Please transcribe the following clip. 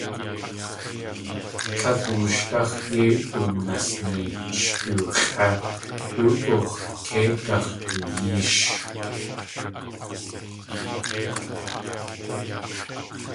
Tlél wooshdáx̲ yéi oonasneech du x̲ʼé, du oox̲ kei gax̲duyéesh.